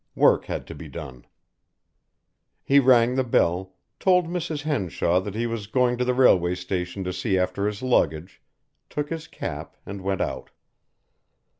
Work had to be done. He rang the bell, told Mrs. Henshaw that he was going to the railway station to see after his luggage, took his cap, and went out.